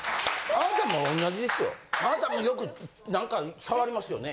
あなたもよくなんか触りますよね。